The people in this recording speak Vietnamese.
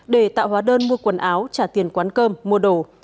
để tạo hóa đơn mua quần áo trả tiền quán cơm mua đồ